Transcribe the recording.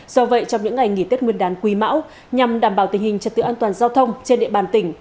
do vậy trong những ngày nghỉ tết nguyên đán quý mão nhằm đảm bảo tình hình trật tự an toàn giao thông trên địa bàn tỉnh